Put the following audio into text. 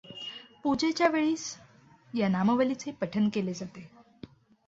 पूजेच्या वेळीस या नामावलीचे पठण केले जाते.